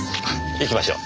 行きましょう。